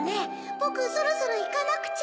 ぼくそろそろいかなくちゃ。